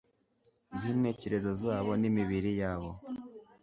bwintekerezo zabo nimibiri yabo